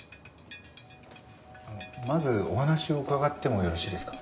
まずお話を伺ってもよろしいですか？